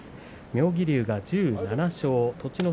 妙義龍が１７勝栃ノ